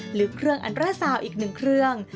หรือเครื่องอันตราซาวอีก๑เครื่อง